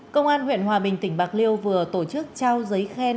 công an huyện hòa bình tỉnh bạc liêu vừa tổ chức trao giấy khen